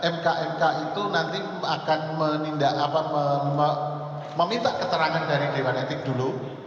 mkmk itu nanti akan menindak apa meminta keterangan dari dewan etik dulu